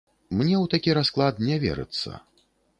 Мне ў такі расклад не верыцца.